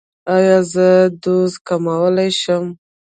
ایا زه دوز کمولی شم؟